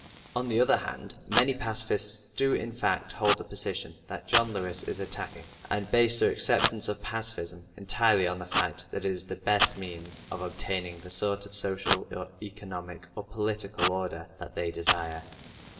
On the other hand, many pacifists do in fact hold the position that John Lewis is attacking, and base their acceptance of pacifism entirely on the fact that it is the best means of obtaining the sort of social or economic or political order that they desire.